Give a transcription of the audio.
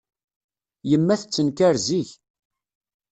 Yemma tettenkar zik.